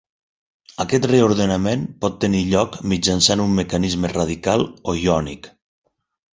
Aquest reordenament pot tenir lloc mitjançant un mecanisme radical o iònic.